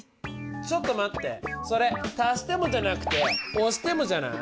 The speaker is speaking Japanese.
ちょっと待ってそれ足してもじゃなくて押してもじゃない？